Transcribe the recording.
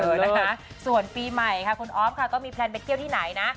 นะคะส่วนปีใหม่ค่ะคุณออฟค่ะก็มีแพลนไปเที่ยวที่ไหนนะ